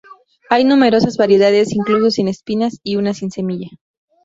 Hay numerosas variedades incluso sin espinas y una sin semilla.